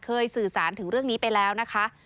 สื่อสารถึงเรื่องนี้ไปแล้วนะคะ